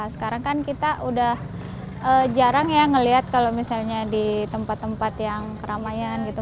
sekarang kan kita udah jarang ya ngelihat kalau misalnya di tempat tempat yang keramaian gitu